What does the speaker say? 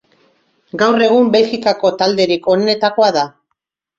Gaur egun Belgikako talderik onenetakoa da.